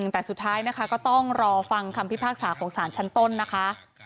แต่สุดท้ายนะคะก็ต้องรอฟังคำพิพากษาของสารชั้นต้นนะคะ